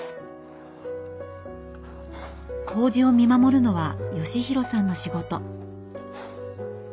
こうじを見守るのは義弘さんの仕事。